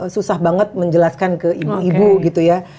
susah banget menjelaskan ke ibu ibu gitu ya